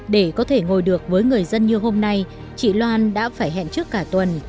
để có thể ngồi được với người dân như hôm nay chị loan đã phải hẹn trước cả tuần